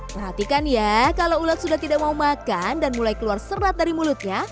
perhatikan ya kalau ulat sudah tidak mau makan dan mulai keluar serat dari mulutnya